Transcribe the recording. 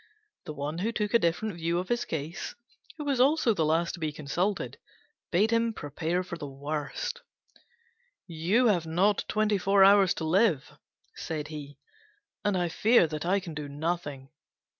The one who took a different view of his case, who was also the last to be consulted, bade him prepare for the worst: "You have not twenty four hours to live," said he, "and I fear I can do nothing."